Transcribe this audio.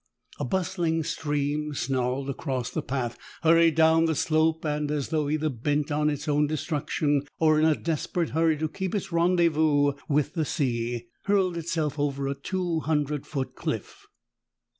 A bustling stream snarled across the path, hurried down the slope and, as though either bent on its own destruction or in a desperate hurry to keep its rendezvous with the sea, hurled itself over a two hundred foot cliff.